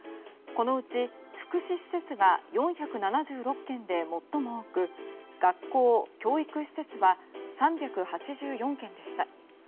このうち福祉施設が４７６件で最も多く学校・教育施設は３８４件でした。